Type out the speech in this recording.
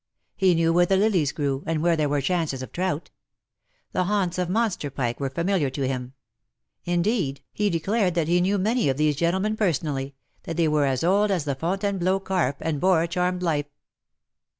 He knew where the lilies grew, and Avhere there were chances of trout. The haunts of monster pike were familiar to him — indeed, he declared that he knew 152 IN SOCIETY. many of these gentlemen personally — that they were as old as the Fontainebleau carp, and bore a charmed life.